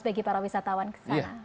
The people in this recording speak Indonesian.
bagi para wisatawan kesana